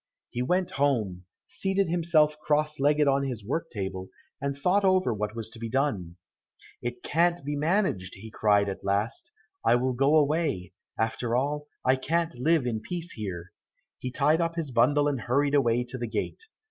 He went home, seated himself cross legged on his work table, and thought over what was to be done. "It can't be managed," cried he at last, "I will go away; after all I can't live in peace here." He tied up his bundle and hurried away to the gate.